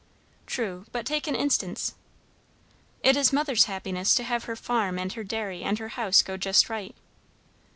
"True; but take an instance." "It is mother's happiness to have her farm and her dairy and her house go just right."